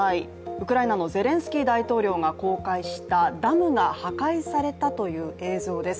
ウクライナのゼレンスキー大統領が公開したダムが破壊されたという映像です。